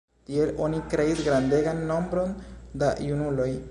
Tiel oni kreis grandegan nombron da junuloj.